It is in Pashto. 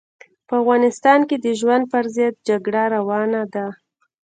په افغانستان کې د ژوند پر ضد جګړه روانه ده.